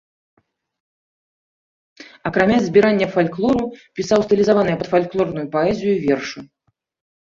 Акрамя збірання фальклору пісаў стылізаваныя пад фальклорную паэзію вершы.